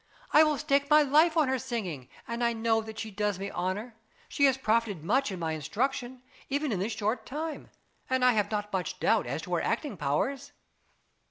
I will stake my life on her singing, and I know that she does me honour. She has profited much by my instruction, even in this short time, and I have not much doubt as to her acting powers.